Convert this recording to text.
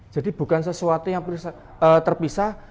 jadi bukan sesuatu yang terpisah